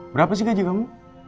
berapa sih gaji kamu